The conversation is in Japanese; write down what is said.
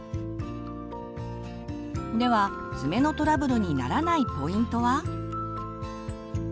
では爪のトラブルにならないポイントは？